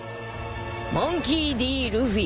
モンキー・Ｄ・ルフィ。